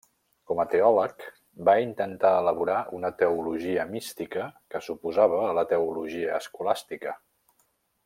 Com a teòleg, va intentar elaborar una teologia mística que s'oposava a la teologia escolàstica.